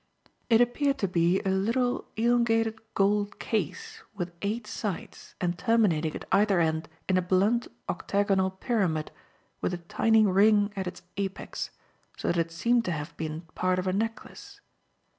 It appeared to be a little elongated, gold case, with eight sides and terminating at either end in a blunt octagonal pyramid with a tiny ring at its apex, so that it seemed to have been part of a necklace.